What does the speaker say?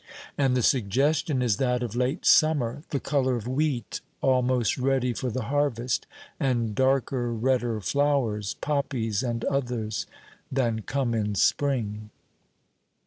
And the suggestion is that of late summer, the colour of wheat almost ready for the harvest, and darker, redder flowers poppies and others than come in Spring.